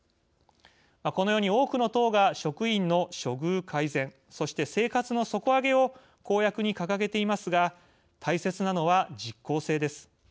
このように多くの党が職員の処遇改善そして生活の底上げを公約に掲げていますが大切なのは実行性です。